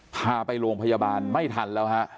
พาไปโรงพยาบาลไม่ทันแล้วฮะ